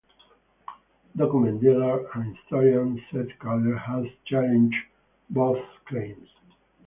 Document dealer and historian Seth Kaller has challenged both claims.